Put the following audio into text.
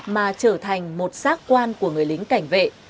mà trở thành một sát quan của người lính cảnh vệ